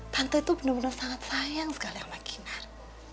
tante itu bener bener sangat sayang sekali sama kinar